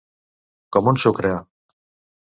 Com un sucre.